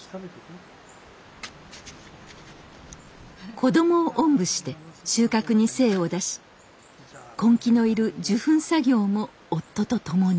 子どもをおんぶして収穫に精を出し根気のいる受粉作業も夫と共に。